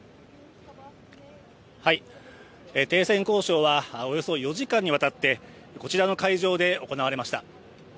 停戦交渉はおよそ４時間にわたってこちらの会場で行われました。